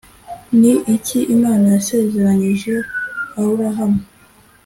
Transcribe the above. Ni iki Imana yasezeranyije Aburahamu